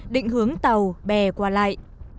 định hướng tàu bè qua lại